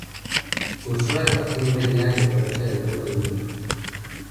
Cursó la educación media en el Colegio del Verbo Divino.